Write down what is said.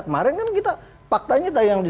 kemarin kan kita faktanya tanya tanya